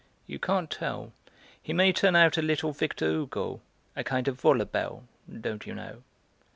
"You can't tell; he may turn out a little Victor Hugo, a kind of Vaulabelle, don't you know."